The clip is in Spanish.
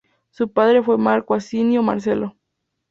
Su padre fue Marco Asinio Marcelo.